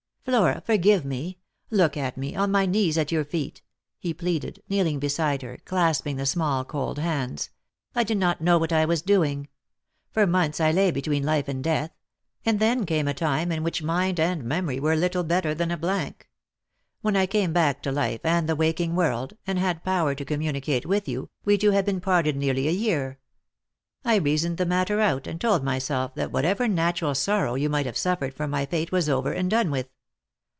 " Flora, forgive me ! Look at me, on my knees at your feet," he pleaded, kneeling heside her, clasping the small cold hands. " I did not know what I was doing. For months I lay hetween life and death ; and then came a time in which mind and memory were little better than a blank. When I came back to life and the waking world, and had power to communicate with you, we two had been parted nearly a year. I reasoned the matter out, and told myself that whatever natural sorrow you might have suffered for my fate was over and done with.